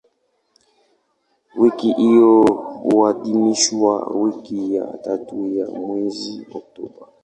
Wiki hiyo huadhimishwa wiki ya tatu ya mwezi Oktoba.